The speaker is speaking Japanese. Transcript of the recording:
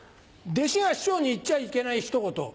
弟子が師匠に言っちゃいけないひと言。